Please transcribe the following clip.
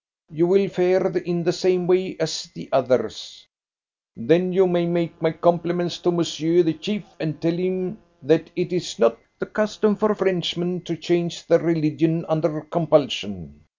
"You will fare in the same way as the others." "Then you may make my compliments to monsieur the chief, and tell him that it is not the custom for Frenchmen to change their religion under compulsion."